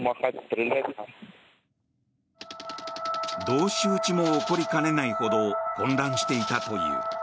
同士打ちも起こりかねないほど混乱していたという。